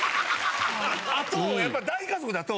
あとやっぱり大家族だと。